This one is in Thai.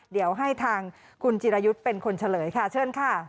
เดี๋ยวให้ทางคุณจิรายุทธ์เป็นคนเฉลยค่ะเชิญค่ะ